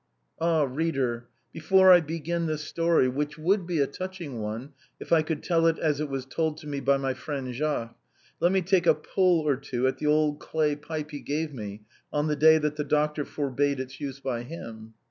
Ah! reader, before I begin this story, which would be a touching one if I could tell it as it was told to me by my friend Jacques, let me take a pull or two at the old clay pipe he gave me on the day that the doctor forbade its use by him.